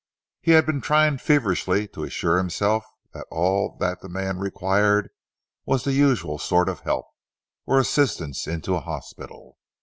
He had been trying feverishly to assure himself that all that the man required was the usual sort of help, or assistance into a hospital.